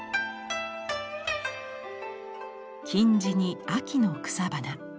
金地に秋の草花。